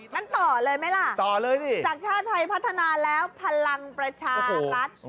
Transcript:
ต่อเลยไหมล่ะต่อเลยดิจากชาติไทยพัฒนาแล้วพลังประชารัฐ